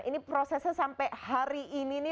ini prosesnya sampai hari ini nih